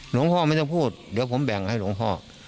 หลวงพ่อไม่ต้องพูดเดี๋ยวผมแบ่งให้หลวงพ่อ